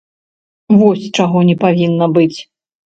Вось чаго не павінна быць!